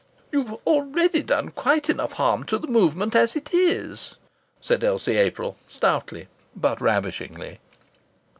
"You've already done quite enough harm to the Movement as it is," said Elsie April, stoutly, but ravishingly.